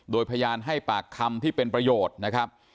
โดยพยานให้ปากคำที่เป็นประโยชน์นะครับ